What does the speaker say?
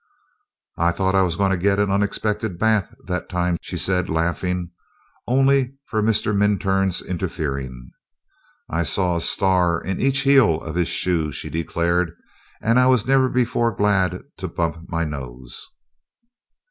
"I thought I was going to get an unexpected bath that time," she said, laughing, "only for Mr. Minturn interfering. I saw a star in each heel of his shoe," she declared' "and I was never before glad to bump my nose."